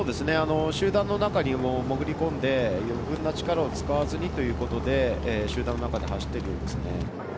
集団の中に潜り込んで余分な力を使わずにということで集団の中で走っていくようですね。